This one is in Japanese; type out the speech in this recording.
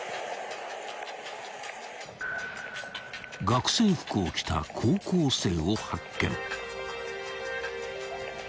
［学生服を着た高校生を発見］